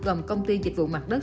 gồm công ty dịch vụ mặt đất